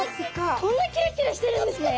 こんなキラキラしてるんですね！